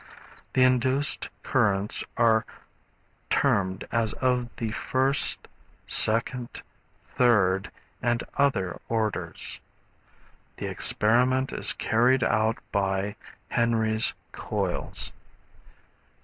The induced currents are termed as of the first, second, third and other orders. The experiment is carried out by Henry's coils.